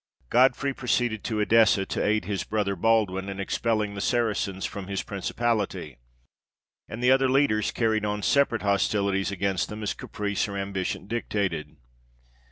Godfrey proceeded to Edessa, to aid his brother Baldwin in expelling the Saracens from his principality, and the other leaders carried on separate hostilities against them as caprice or ambition dictated.